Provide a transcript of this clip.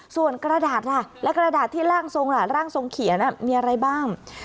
ส่วนกระดาษล่ะและกระดาษที่ร่างทรงล่ะร่างทรงเขียนมีอะไรบ้าง